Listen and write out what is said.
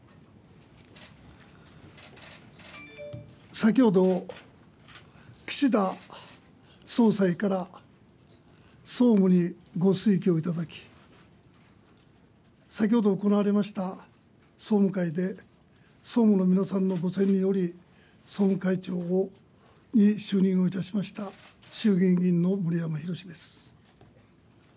先ほど、岸田総裁から総務にご推挙いただき、先ほど行われました総務会で、総務の皆さんのにより、総務会長に就任をいたしました、衆議院議員の森山裕です。